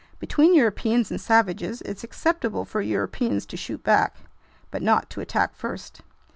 Between Europeans and savages, it's acceptable for Europeans to shoot back but not to attack first.